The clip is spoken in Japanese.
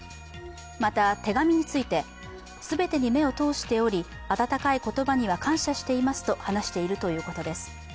また手紙について、全てに目を通しておりあたたかい言葉には感謝しておりますと話しているということです。